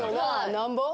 なんぼ？